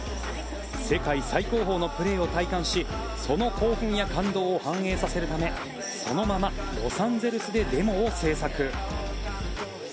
世界最高峰のプレーを体感しその興奮や感動を反映させるためそのままロサンゼルスでデモを制作。